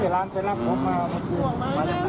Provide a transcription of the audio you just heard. เลิกเอามาหลายเดือนแล้ว